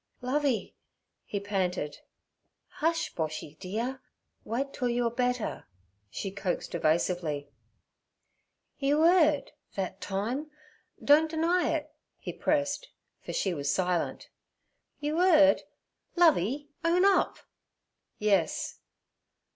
'Lovey' he panted. 'Hush, Boshy dear! Wait till you are better' she coaxed evasively. 'You 'eerd—thet—time—don't deny—it' he pressed, for she was silent. 'You—'eerd? Lovey, own up.' 'Yes.'